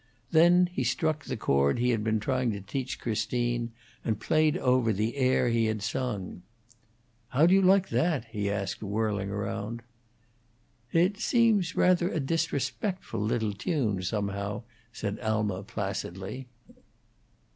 Then he struck the chord he had been trying to teach Christine, and played over the air he had sung. "How do you like that?" he asked, whirling round. "It seems rather a disrespectful little tune, somehow," said Alma, placidly.